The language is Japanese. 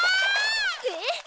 えっ⁉